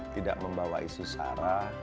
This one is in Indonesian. tidak membawa isu sara